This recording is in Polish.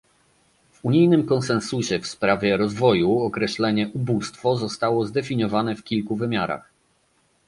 W unijnym konsensusie w sprawie rozwoju określenie "ubóstwo" zostało zdefiniowane w kilku wymiarach